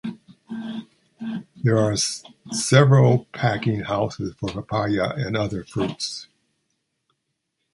There are several packing houses for papaya and other fruits.